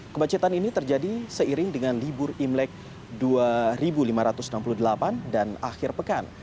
kemacetan ini terjadi seiring dengan libur imlek dua ribu lima ratus enam puluh delapan dan akhir pekan